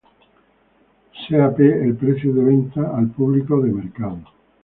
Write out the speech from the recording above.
Sea P el precio de venta al público o de mercado.